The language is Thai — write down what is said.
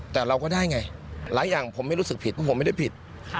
แต่เราก็ได้ไงหลายอย่างผมไม่รู้สึกผิดเพราะผมไม่ได้ผิด